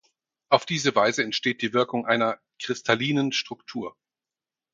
Auf diese Weise entsteht die Wirkung einer „kristallinen“ Struktur.